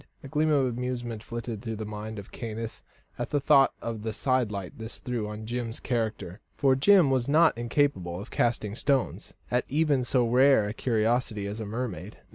A gleam of amusement flitted through the mind of Caius at the thought of the sidelight this threw on Jim's character. For Jim was not incapable of casting stones at even so rare a curiosity as a mermaid.